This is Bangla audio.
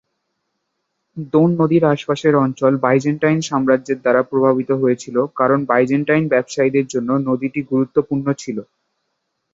দোন নদীর আশেপাশের অঞ্চল বাইজেন্টাইন সাম্রাজ্যের দ্বারা প্রভাবিত হয়েছিল কারণ বাইজেন্টাইন ব্যবসায়ীদের জন্য নদীটি গুরুত্বপূর্ণ ছিল।